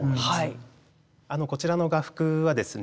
こちらの画幅はですね